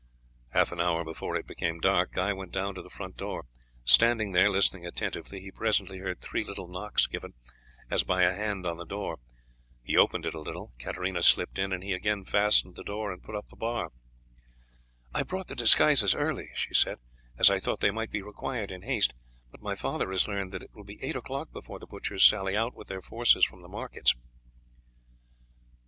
Half an hour before it became dark, Guy went down to the front door. Standing there listening attentively, he presently heard three little knocks given, as by a hand on the door. He opened it a little, Katarina slipped in, and he again fastened it and put up the bar. "I brought the disguises early," she said, "as I thought they might be required in haste, but my father has learned that it will be eight o'clock before the butchers sally out with their forces from the markets."